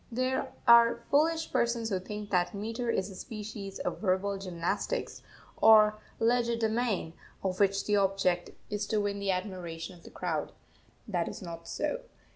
There are foolish persons who think that metre is a species of verbal gymnastics, or legerdemain, of which the object is to win the admiration of the crowd. That is not so.